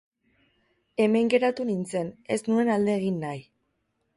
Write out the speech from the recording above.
Hemen geratu nintzen, ez nuen alde egin nahi.